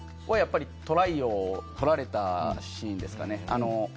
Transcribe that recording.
トライを取られたシーンですかね。